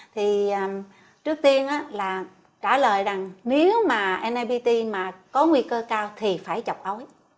thì trước tiên là trả lời rằng nếu mà nipt mà có nguy cơ cao thì phải chọc ối